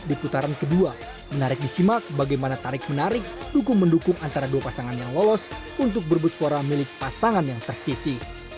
di putaran kedua menarik disimak bagaimana tarik menarik dukung mendukung antara dua pasangan yang lolos untuk berbut suara milik pasangan yang tersisi